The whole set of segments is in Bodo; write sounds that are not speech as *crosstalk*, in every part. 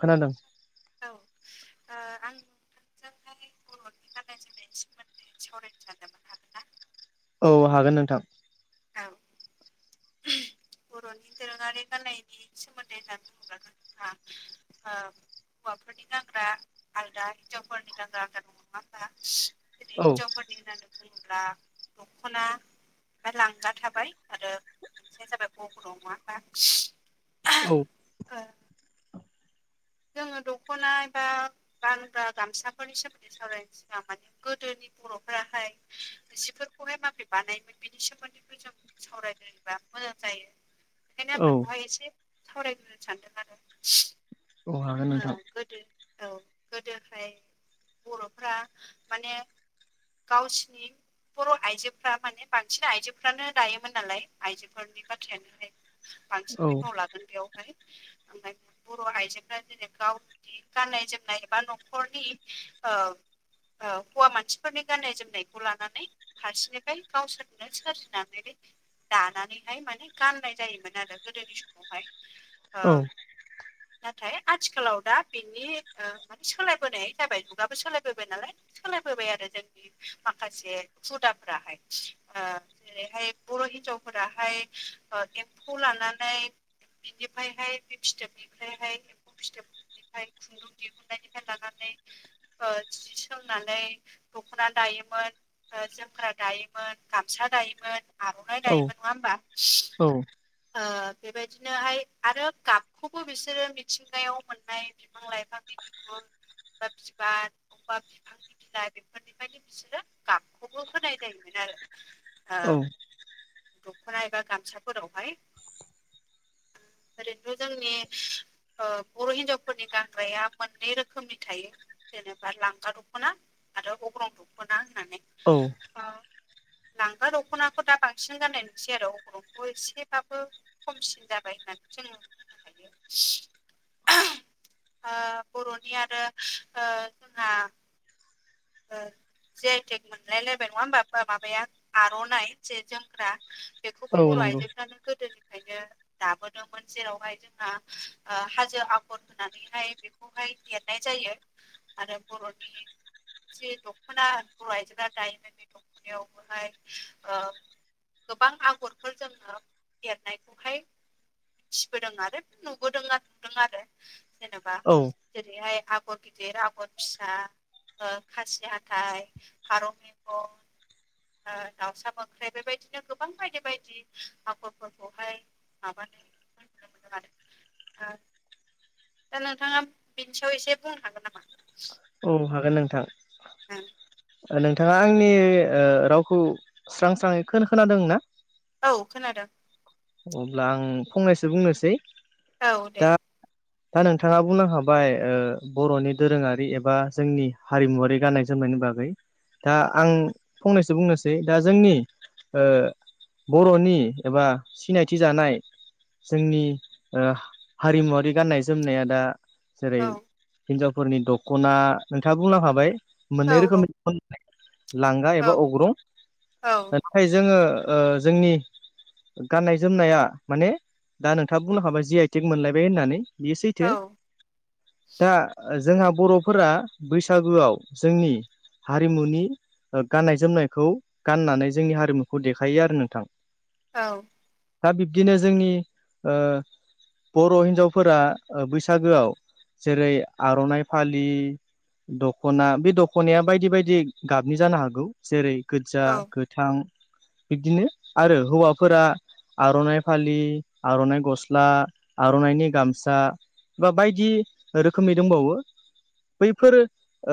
खोनादों? औ ओ आं आजोंहाय बर'नि गाननाय जोमनायनि सोमोन्दै सावरायनो सखनदोंमोन। हागोन ना? औ हागोन नोंथां। थां *unintelligible* बर'नि दोरोङारि गान्नायनि सोमोन्दै होनना बुङोब्लाथ' जोंहा ओ हौवाफोरनि गानग्रा आलादा हिनजावफोरनि गानग्रा आलादा दङ नङा होनबा! जेरै औ हिनजावफोरनि होननानै बुङोब्ला दख'ना आमफ्राय लांगा थाबाय आरो मोनसेया जाबाय अग्रं नङा होमबा औ ओ जोङो दख'ना बा गानग्रा गामसाफोरनि सोमोन्दै सावरायनोसै माने गोदोनि बर'फोराहाय जिफोरखौहाय माबोरै बानायोमोन बिनि सोमोन्दै जो सावरायनोबा जों मोजां जायो बेखायनो आं औ बेखौहाय एसे सावरायग्रोनो सानदों आरो औ हागोन ओ नोंथां गोदो औ गोदोहाय बर'फ्रा माने गावसिनि बर' आइजोफ्रा माने बांसिन आइजोफ्रानो दायोमोन नालाय आइजोफोरनि बाथ्रायानोहाय बांसिन औ बिफाव लागोन बेयावहाय ओमफ्राय बर' आइजोफ्रा जेने गाव गाननाय जोमनाय एबा न'खरनि ओ ओ हौवा मानसि फोरनि गाननाय जोमनायखौ लानानै फारसेनिफ्राय गावसोरनो सोरजिनानै दानानैहाय माने गाननाय जायोमोन आरो गोदोनि समावहाय। ओ औ नाथाय आथिखालाव दा बिनि ओ माने सोलायबोनाय जाबाय जुगाबो सोलायबोबाय नालाय सोलायबोबाय आरो जोंनि माखासे हुदाफ्राहाय ओ जेरैहाय बर' हिन्जावफोराहाय एम्फौ लानानै बिनिफ्रायहाय बे फिथोबनिफ्रायहाय फिथोबफ्राय *inaudible* लानानै जि सोंनानै दख'ना दायोमोन, जोमग्रा दायोमोन, गामसा दायोमोन आर'नाय दायोमोन नङा होमबा औ ओ बेबायदिनोहाय आरो गाबखौबो बिसोरो मिथिंगायाव मोननाय बिफां लाइफांनि बिगुर बा बिबार अबा बिफां *unintelligible* बेफोरनिफ्रायनो बिसोरो गाबखौबो होनाय जायोमोन आरो ओ औ दख'ना एबा गामसाफोरावहाय ओरैथ' जोंनि ओ बर' हिनजावफोरनि गानग्राया मोननै रोखोमनि थायो जेनेबा लांगा दख'ना आरो अग्रं दख'ना होननानै औ औ लांगा दख'नाखौ दा बांसिन जानाय नुसै आरो अग्रं'खौ एसे फोराबो खमसिन जाबाय होननानै जोङो बुंनो हायो *unintelligible* ओ बर'नि आरो ओ जोंहा ओ जे आइ थेक मोनलायलायबाय नङा होमबा माबाया आर'नाइ जे जोमग्रा बेखौबो औ बर' नंगौ आइजोफ्रानो गोदोनि फ्रायनो दाबोदोंमोन जेरावहाय जोंना ओ हाजो आगर होनानैहाय बे खौहाय एरनाय जायो आरो बर'नि जे दख'ना बर' आइजोफोरा दायोमोन बे दख'नायावबोहाय ओ गोबां आगरफोर जोङो एरनायखौहाय *unintelligible* आरो नुबोदों आरो नुदों आरो। जेनबा औ जेरैहाय आगर गिदिर आगर फिसा ओ खासि हाथाय, फारौ मेगन ओ दाउसा मोख्रेब बेबायदिनो गोबां बायदि बायदि आखरफोरखौहाय माबानाय नुनो मोनदों आरो दा नोंथाङा बिनि सायाव एसे बुंनो हागोन नामा? औ हागोन नोंथां। ओं ओ नोंथाङा आंनि ओ रावखौ स्रां स्राङै खोन-खोनादों ना? औ खोनादों। अब्ला आं फंनैसो बुंनोसै। औ दे। दा दा नोंथाङा बुंलांखाबाय ओ बर'नि दोरोङारि एबा जोंनि हारिमुवारि गाननाय जोमनायनि बागै दा आं फंनैसो बुंनोसै दा जोंनि ओ बर'नि एबा सिनायथि जानाय जोंनि ओ हारिमुवारि गाननाय जोमनाया दा जेरै औ हिनजावफोरनि दखना नोंथाङा बुंलांखाबाय। औ मोननै रोखोमनि *inaudible* लांगा एबा औ अग्रं। औ नाथाय जोङो ओ जोंनि गाननाय जोमनाया माने दा नोंथाङा बुंलांखाबाय जि आइ टेक मोनलायबाय होननानै। बेयो सैथो। औ दा जोंहा बर'फोरा बैसागुआव जोंनि हारिमुनि ओ गाननाय जोमनायखौ गाननानै जोंनि हारिमुखौ देखायो आरो नोंथां। औ। दा बिबदिनो जोंनि ओ बर' हिनजाव फोरा ओ बैसागोआव जेरै आर'नाइ फालि दख'ना बे दख'नाया बायदि बायदि गाबनि जानो हागौ जेरै गोजा औ गोथ थां बिब्दिनो आरो हौवाफोरा आर'नाइ फालि, आर'नाइ गस्ला, आर'नाइनि गामसा बा बायदि रोखोमनि दंबावो बैफोरो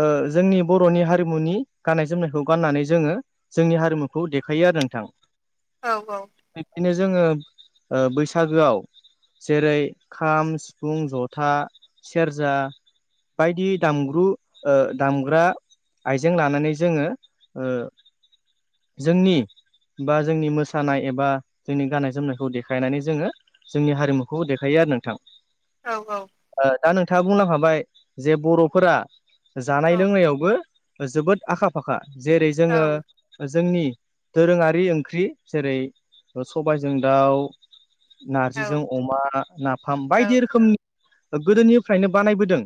ओ जोंनि बर'नि हारिमुनि गाननाय जोमनायखौ गाननानै जोङो जोंनि हारिमुखौ देखायो आरो नोंथां। औ औ। बिबदिनो जोङो ओ बैसागोआव जेरै खाम, सिफुं, जथा, सेरजा बायदि दामग्रु ओ दामग्रा आइजें लानानै जोङो ओ जोंनि बा जोंनि मोसानाय एबा जोंनि गाननाय जोमनायखौ देखायनानै जोङो जोंनि हारिमुखौ देखायो आरो नोंथां। औ औ। ओ दा नोंथाङा बुंलांखाबाय जे बर'फोरा जानाय लोंनायावबो ओ जोबोद आखा फाखा जेरै जोङो ओ जोंनि दोरोङारि ओंख्रि जेरै ओ सबायजों दाउ नारजिजों अमा, नाफाम बायदि रोखोमनि ओ गोदोनिफ्रायनो बानायबोदों।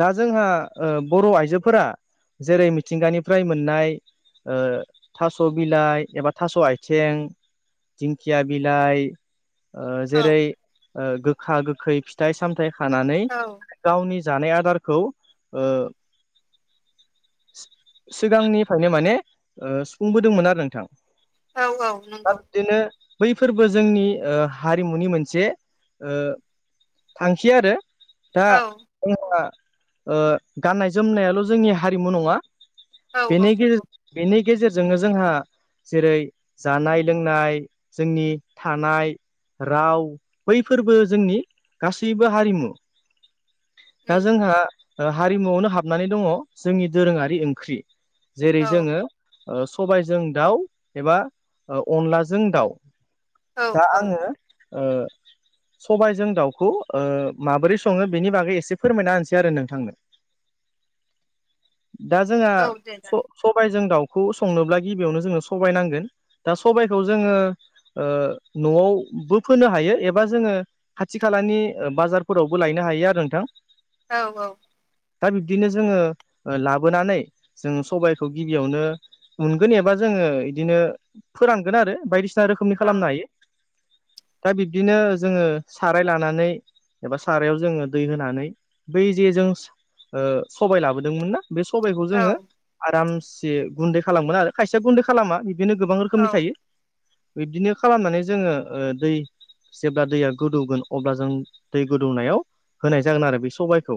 दा जोंहा ओ बर' आइजोफोरा जेरै मिथिंगानिफ्राय मोननाय थास' बिलाइ एबा थास' आथिं दिंखिया बिलाइ औ जेरै गोखा गोखै फिथाइ सामथाय खानानै औ गावनि जानाय आदारखौ ओ औ सिगांनिफ्रायनो माने ओ सुफुंबोदोंमोन आरो नोंथां औ दा नंगौ बिदिनो बै फोरबो जोंनि ओ हारिमुनि मोनसे थांखि आरो दा औ जोंहा ओ गाननाय जोमनायाल' जोंनि हारिमु नङा औ औ बेनि नंगौ गेजेरजों बेनि गेजेरजोंनो जोंहा जेरै जानाय लोंनाय जोंनि थानाय राव बैफोरबो जोंनि गासैबो हारिमु दा उम जोंहा हारिमुआवनो हाबनानै दङ जोंनि दोरोङारि ओंख्रि जेरै औ जोङो सबायजों दाउ एबा अनलाजों दाउ औ दा औ आङो ओ सबायाइजों दाउखौ माबोरै सङो बेनि बागै एसे फोरमायना होनसै आरो नोंथांनो। *inaudible* दा जोंहा औ दे स जागोन सबायजों दाउखौ संनोब्ला गिबियावनो जोंनो सबाय नांगोन दा सबाइखौ जोङो ओ न'आव बो फोनो हायो एबा जोङो खाथि खालानि ओ बाजारफोरावबो लायनो हायो आरो नोंथां। औ औ। दा बिब्दिनो जोङो ओ लाबोनानै जों सबाइखौ गिबियावनो मोनगोन एबा जोङो इदिनो फोरानगोन आरो बायदिसिना रोखोमनि औ खालामनो हायो। दा बिब्दिनो जोङो साराय लानानै एबा सारायाव जोङो दै होनानै बै जे जों ओ सबाय लाबोदोंमोन ना बे सबायखौ औ जोङो आरामसे गुन्दै खालामगोन आरो खायसेया गुन्दै खालामा। बिदिनो गोबां औ औ रोखोमनि थायो बिब्दिनो खालामनानै जोङो ओ दै जेब्ला दैया गोदौगोन अब्ला जों दै गोदौनायाव होनाय जागोन आरो बे सबायखौ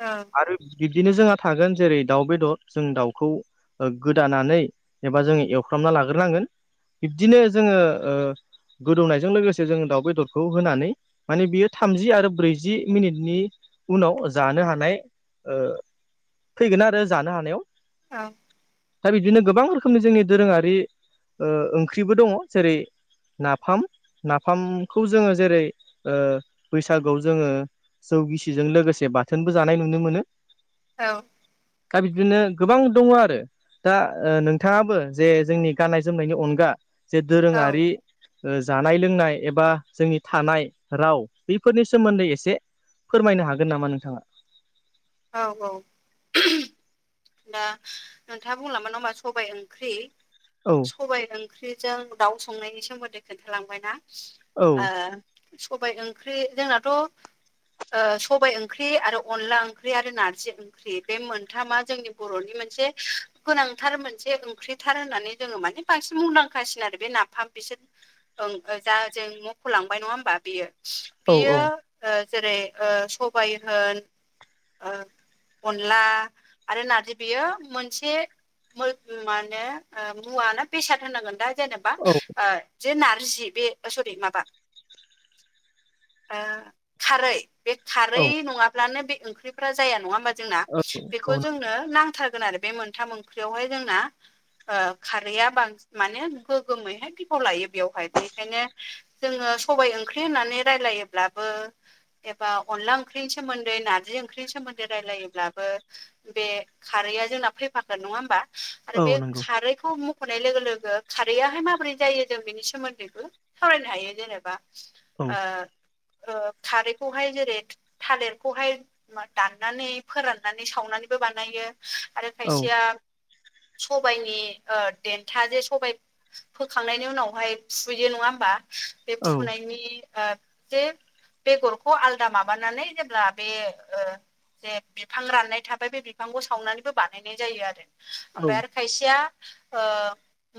औ आरो बि दिनो जोंहा थागोन जेरै दाउ बेदर जों दाउखौ ओ गोदानानै एबा जोङो एवफ्रामना लाग्रोनांगोन बिब्दिनो जोङो ओ गोदौनायजों लोगोसे जोङो दाउ बेदरखौ होनानै माने बियो थामजि आरो ब्रैजि मिनिटनि उनाव जानो हानाय ओ फैगोन आरो जानो हानायाव औ दा बिबदिनो गोबां रोखोमनि जोंनि दोरोङारि ओ ओंख्रिबो दङ जेरै नाफाम नाफामखौ जोङो जेरै ओ बैसागोआव जोङो जौ गिसिजों लोगोसे बाथोनबो जानाय नुनो मोनो। औ। दा बिब्दिनो गोबां दङ आरो। दा ओ नोंथाङाबो जे जोंनि गाननाय जोमनायनि अनगा जे औ दोरोङारि ओ जानाय लोंनाय एबा जोंनि थानाय राव बैफोरनि सोमोन्दै एसे फोरमायनो हागोन नामा नोंथाङा? औ औ दा नोंथाङा बुंलांबाय नङा होनबा सबाय ओंख्रि औ। सबाइ ओंख्रिजों दाउ संनायनि सोमोन्दै खोन्थालांबायना औ ओ सबाइ ओंख्रि जोंनाथ' ओ सबाय ओंख्रि आरो अनला ओं ख्रि आरो नारजि ओं ख्रि बे मोनथामा जोंनि बर'नि मोनसे गोनांथार मोनसे ओंख्रिथार होननानै जोङो माने बांसिन मुंदांखासिन आरो बे नाफाम बिसोर ओं ओ जा जों मख'लांबाय नङा होमबा बेयो औ बियो औ ओ जेरै ओ सबाय होन ओ अनला आरो नार्जि बेयो मोनसे *unintelligible* मो माने मुवा ना बेसाद होनांगोन दा? जेनेबा औ ओ जे नारजि बे ओ सरि माबा ओ खारै बे खारै औ नङाब्लानो बे ओंख्रिफ्रा जाया नङा होमबा जोंना बे औ औ खौ जोंनो नांथारगोन आरो बे मोनथाम ओंख्रियावहाय जोंना ओ खारैया बांसिन माने गोगोमैहाय बिफाव लायो बेवहाय बेखायनो जोङो सबाय ओंख्रि होननानै रायलायोब्लाबो एबा अनला ओंख्रिनि सोमोन्दै नारजि ओंख्रि सोमोन्दै रायलायोब्लाबो बे खारैया जोंना फैफागोन नङा होमबा? औ आरो बे नंगौ खारैखौ म खनाय लोगो लोगो खारैआहाय माबोरै जायो जों बेनि सोमोन्दैबो सावरायनो हायो जेनेबा औ ओ खारैखौहाय जेरै थालिरखौहाय ना दाननानै फोराननानै सावनानैबो बानायो आरो औ खायसेया सबायाइनि ओ देन्था जे सबायाइ फोखांनायनि उनावहाय फुयो नङा होमबा? बे औ फुनायनि ओ जे बेगरखौ आलदा माबानानै जेब्ला बे ओ जे बिफां राननाय थाबाय बे बिफांखौ सावनानैबो बानायनाय जायो आरो ओमफ्राय आरो खायसेया ओ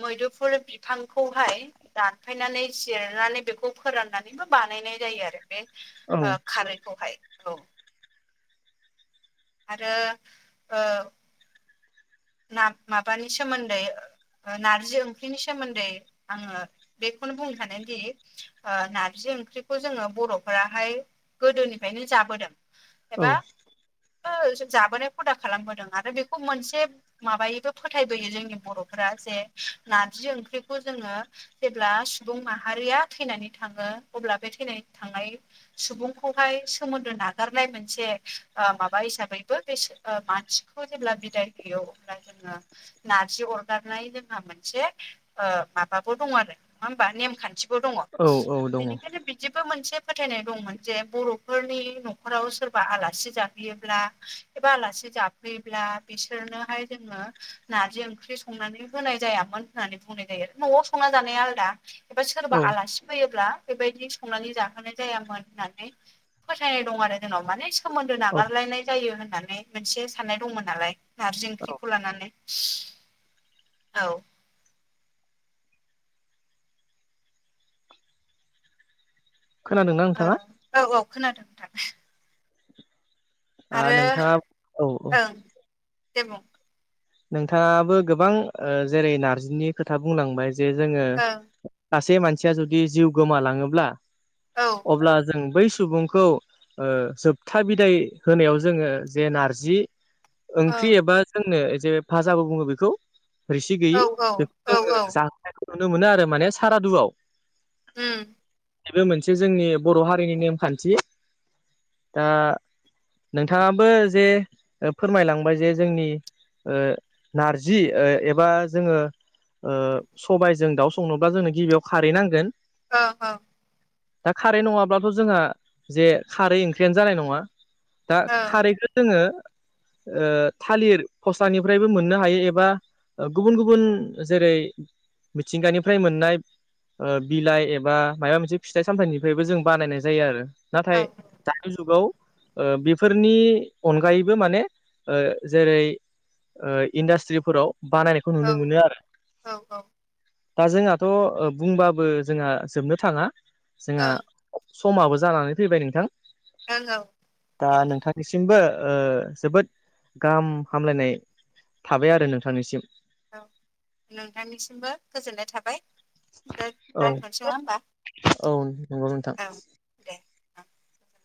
मैदुफुल बिफांखौहाय दानफायनानै जिरनानै बेखौ फोराननानैबो बानायनाय जायो आरो बे औ ओ खारैखौहाय औ आरो ओ ना माबानि सोमोन्दै ओ नारजि ओंख्रिनि सोमोन्दै आङो बेखौनो बुंनो सानोदि नारजि ओंख्रिखौ जोङो बरफोराहाय गोदोनिफ्रायनो जाबोदों एबा ओ जाबोनाय खुदा खालामबोदों आरो बेखौ मोनसे माबायोबो फोथायबोयो जोंनि बरफोरा जे नारजि ओंख्रिखौ जोङो जेब्ला सुबुं माहारिया थैनानै थाङो अब्ला बे थैनानै थांनाय सुबुंखौहाय सोमोन्दो नागारनाय मोनसे ओ माबा हिसाबैबो बेसो ओ मानसिखौ जेब्ला बिदाय होयो अब्ला जोङो नारजि अरगारनाय जोंहा मोनसे ओ माबाबो दङ आरो नङा होमबा नेमखान्थि बो दङ औ औ औ दङ बेनिखायनो जेबो मोनसे फोथायनाय दंमोन जे बरफोरनि नखराव सोरबा आलासि जाफैयोब्ला एबा आलासि जाफैयोब्ला बिसोरनोहाय जोङो नारजि ओंख्रि संनानै होनाय जायामोन होननानै बुंनाय जायो आरो नआव संना जानाया आलदा। एबा सोरबा औ आलासि फैयोब्ला बेबायदि संनानै जाहोनाय जायामोन होननानै फोथायनाय दं आरो जोंनाव माने सोमोन्दो औ नागारलायनाय जायो होननानै मोनसे साननाय दंमोन नालाय नारजि औ ओंख्रिखौ लानानै औ खोनादों ना औ नोंथाङा? औ औ खोनादों नोंथां। ओ आरो नोंथाङा औ औ ओं दे बुं? नोंथाङाबो गोबां ओ जेरै नारजिनि खोथा बुंलांबाय जे जोङो ओं सासे मानसिया जुदि जिउ गोमालाङोब्ला औ अब्ला जों बै सुबुंखौ ओ जोबथा बिदाय होनायाव जोङो जे नारजि ओं ओंख्रि एबा जोंनो जे भाजाबो बुङो बेखौ। रोसि औ गैयि औ बेखौ औ जोङो औ जाहोनायखौ नुनो मोनो आरो माने सारादुआव। उम। बेबो मोनसे जोंनि बर' हारिनि नेमखान्थि। दा नोंथाङाबो जे ओ फोरमायलांबाय जे जोंनि ओ नारजि ओ एबा जोङो ओ सबायजों दाउ संनोब्ला जोंनो गिबियाव खारै नांगोन। ओ ओ। दा खारै नङाब्लाथ' जोंहा जे खारै ओंख्रियानो जानाय नङा। दा ओं खारैखो जोङो ओ थालिर फस्लानिफ्रायबो मोननो हायो एबा गुबुन गुबुन जेरै मिथिंगानिफ्राय मोननाय ओ बिलाइ एबा मायबा मोनसे फिथाइ सामथायाइनिफ्रायबो जों बानायनाय जायो आरो औ नाथाय दानि जुगाव ओ बेफोरनि अनगायैबो माने ओ जेरै ओ इन्डास्ट्रिफोराव बानायनायखौ औ नुनो मोनो आरो। औ दा जोंहाथ' ओ बुंबाबो जोंहा जोबनो थाङा। जोंहा ओं समाबो जानानै फैबाय नोंथां ओं औ दा दे दे नोंथां निसिमबो ओ जोबोद गाहाम हामलायनाय थाबाय आरो नोंथांनिसिम। औ नोंथांनिसिमबो गोजोननाय थाबाय दा औ दोनथ'नोसै नङा होनबा? औ नोंगौ नोंथां। दे ओं गोजोननाय।